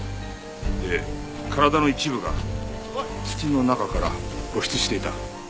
で体の一部が土の中から露出していた。